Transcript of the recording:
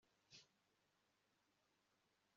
shaka yagiye kubaka amazu y'agateganyo